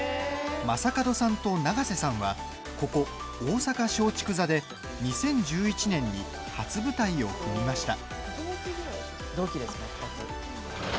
正門さんと永瀬さんはここ大阪松竹座で２０１１年に初舞台を踏みました。